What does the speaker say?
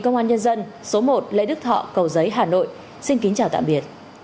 cảm ơn các bạn đã theo dõi và hẹn gặp lại